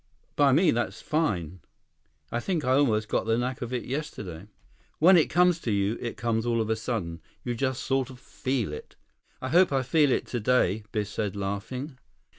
"By me that's fine. I think I almost got the knack of it yesterday." "When it comes to you, it comes all of a sudden. You just sort of feel it." "I hope I feel it today," Biff said, laughing.